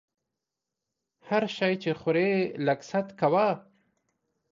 هر شی چې خورې لږ ست کوه!